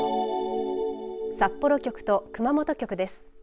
札幌局と熊本局です。